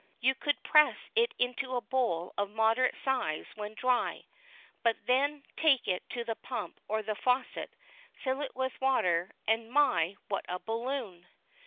You could press it into a bowl of moderate size when dry, but then take it to the pump or the faucet, fill it with water, and my, what a balloon!